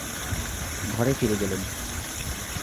ঘরে ফিরে গেলেন।